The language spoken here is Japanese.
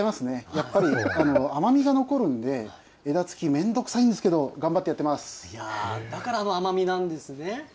やっぱり甘みが残るんで、枝付き、めんどくさいんですけど、頑張っだからあの甘みなんですね。